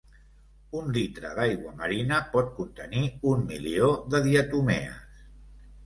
Un litre d'aigua marina pot contenir un milió de diatomees.